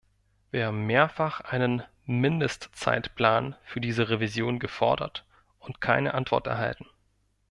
Wir haben mehrfach einen Mindestzeitplan für diese Revision gefordert und keine Antwort erhalten.